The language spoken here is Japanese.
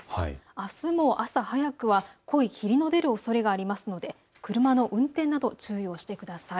あすも朝早くは濃い霧の出るおそれがありますので車の運転など注意をしてください。